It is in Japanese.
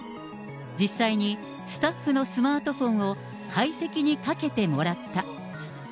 実際に、スタッフのスマートフォンを解析にかけてもらった。